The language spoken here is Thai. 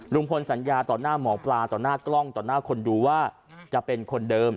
สัญญาต่อหน้าหมอปลาต่อหน้ากล้องต่อหน้าคนดูว่าจะเป็นคนเดิม